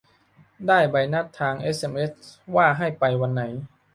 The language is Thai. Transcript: ได้ใบนัดทางเอสเอ็มเอส ว่าให้ไปวันไหน